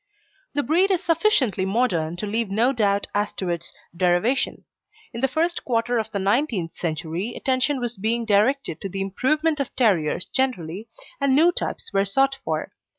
The breed is sufficiently modern to leave no doubt as to its derivation. In the first quarter of the nineteenth century attention was being directed to the improvement of terriers generally, and new types were sought for.